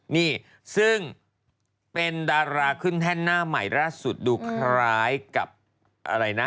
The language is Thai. นี่ซึ่งเป็นดาราขึ้นแท่นหน้าใหม่ล่าสุดดูคล้ายกับอะไรนะ